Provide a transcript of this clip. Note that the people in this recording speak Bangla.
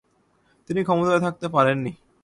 তিনি ক্ষমতায় থাকতে পারেননি।